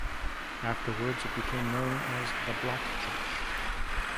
Afterwards, it became known as the "Black Church".